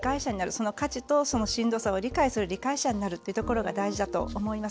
その価値としんどさを理解する理解者になるというのが大事だと思います。